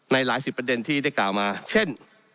หลายสิบประเด็นที่ได้กล่าวมาเช่น